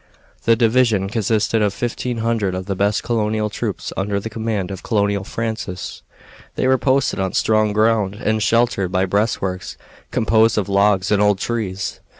The division consisted of fifteen hundred of the best colonial troops under the command of Colonel Francis. They were posted on strong ground and sheltered by breastworks composed of logs and old trees.